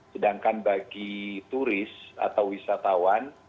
sedangkan bagi turis atau wisatawan